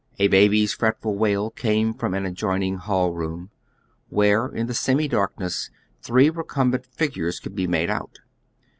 A baby's fret ful wail came from an adjoining hall room, where, in the semi darkness, three recumbent figures could be made out.